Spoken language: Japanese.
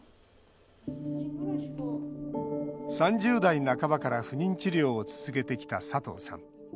３０代半ばから不妊治療を続けてきた佐藤さん。